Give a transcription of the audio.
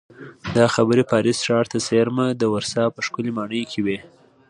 دا خبرې پاریس ښار ته څېرمه د ورسا په ښکلې ماڼۍ کې وې